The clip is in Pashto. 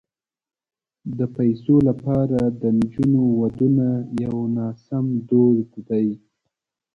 د پيسو لپاره د نجونو ودونه یو ناسم دود دی.